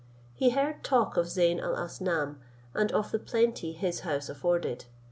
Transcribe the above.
He heard talk of Zeyn Alasnam, and of the plenty his house afforded.